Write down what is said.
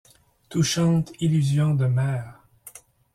Touchante illusion de mère!